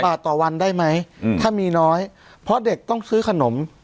บาทต่อวันได้ไหมถ้ามีน้อยเพราะเด็กต้องซื้อขนม